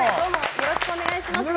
よろしくお願いします。